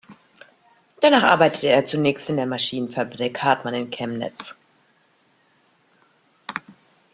Danach arbeitete er zunächst in der Maschinenfabrik Hartmann in Chemnitz.